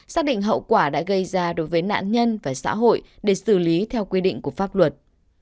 xác định hậu quả đã gây ra đối với nạn nhân và xã hội để xử lý theo quy định của pháp luật